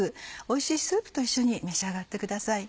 おいしいスープと一緒に召し上がってください。